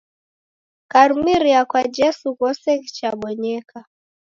Karumiria kwa jesu ghose ghichabonyeka